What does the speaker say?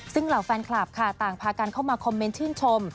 ซึ่งเหล่าแฟนคลับค่ะต่างพากันเข้ามาคอมเมนต์ชื่นชม